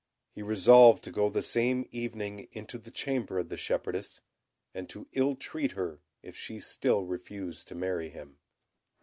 He resolved to go the same evening into the chamber of the shepherdess, and to ill treat her if she still refused to marry him.